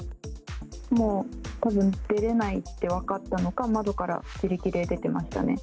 もうたぶん、出れないって分かったのか、窓から自力で出てましたね。